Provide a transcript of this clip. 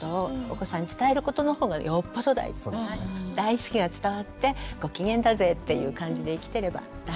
それと大好きが伝わってご機嫌だぜっていう感じで生きてれば大丈夫。